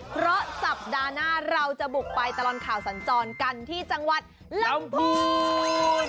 เพราะสัปดาห์หน้าเราจะบุกไปตลอดข่าวสัญจรกันที่จังหวัดลำพูน